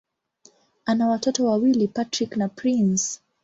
Ana watoto wawili: Patrick na Prince.